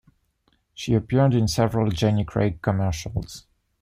She appeared in several Jenny Craig commercials.